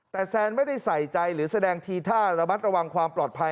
แต่แซนไม่ได้ใส่ใจหรือแสดงทีท่าระมัดระวังความปลอดภัย